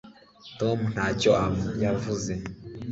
tom ntacyo yavuze